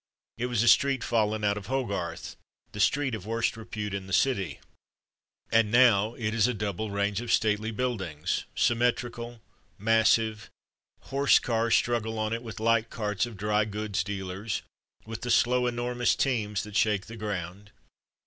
It was a street fallen out of Hogarth; the street of worst repute in the city. And now it is a double range of stately buildings symmetrical, massive. Horse cars struggle on it with light carts of dry goods dealers, with the slow, enormous teams that shake the ground.